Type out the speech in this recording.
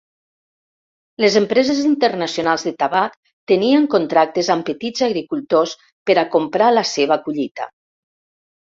Les empreses internacionals de tabac tenien contractes amb petits agricultors per a comprar la seva collita.